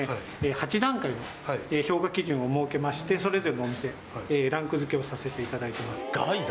８段階の評価基準を設けましてそれぞれのお店ランク付けをさせていただいてます「害」だ